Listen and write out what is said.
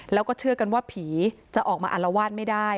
แล้วก็เชื่อกันว่าผีจะออกมาอารวาสไม่ได้